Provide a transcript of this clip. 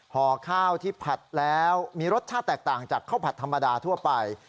ห่อข้าวที่ผัดแล้วมีรสชาติแตกต่างจากข้าวผัดธรรมดาทั่วไป